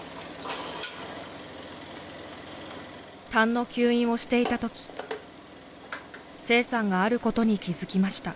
痰の吸引をしていたとき清さんがあることに気づきました。